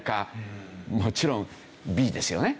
もちろんＢですよね。